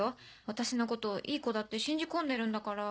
私のこといい子だって信じ込んでるんだから。